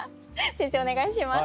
先生お願いします。